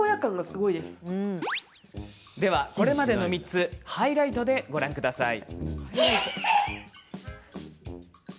では、これまでの３つハイライトでご覧ください。